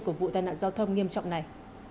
của vụ tai nạn giao thông nghiêm trọng này